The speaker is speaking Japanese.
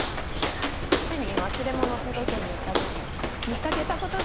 父に忘れ物届けに行った時見かけたことがあるの。